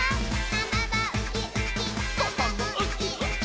「ママはウキウキ」「パパもウキウキ」